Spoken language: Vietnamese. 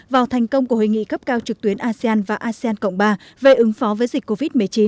vào thành công của hội nghị cấp cao trực tuyến asean và asean cộng ba về ứng phó với dịch covid một mươi chín